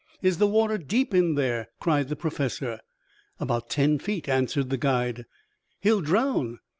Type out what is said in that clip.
"Is the water deep in there?" cried the Professor. "About ten feet," answered the guide. "He'll drown!"